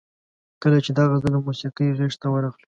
کله چې دا غزل د موسیقۍ غیږ ته ورغله.